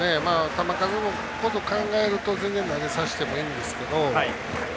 球数のことを考えると、全然投げさせてもいいんですけど。